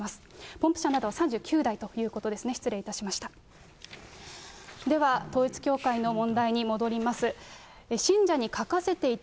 ポンプ車など３９台ということですね、失礼いたしました。